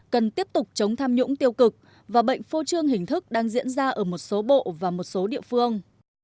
cần tiếp tục chống tham nhũng tiêu cực và bệnh phô trương hình thức đang diễn ra ở một số bộ và một số địa phương